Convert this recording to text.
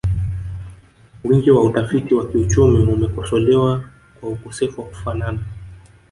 Wingi wa utafiti wa kiuchumi umekosolewa kwa ukosefu wa kufanana